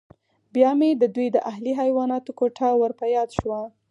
بیا مې د دوی د اهلي حیواناتو کوټه ور په یاد شوه